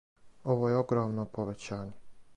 Ово је огромно повећање.